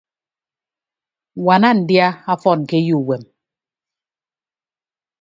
Ññwana ndia ọfọn ke eyo uwem.